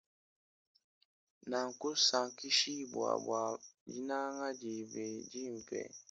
Na kusankishibwa bwa dinanga diebe dimpe.